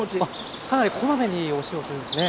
かなりこまめにお塩するんですね。